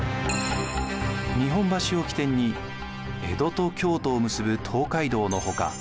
日本橋を起点に江戸と京都を結ぶ東海道の他